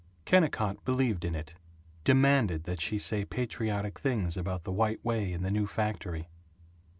Kennicott believed in it; demanded that she say patriotic things about the White Way and the new factory.